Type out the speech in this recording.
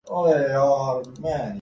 قدامت پسند سلطنت تھی۔